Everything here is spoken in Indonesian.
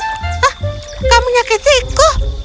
hah kau menyakitiku